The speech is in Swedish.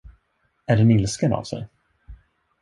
Är den ilsken av sig?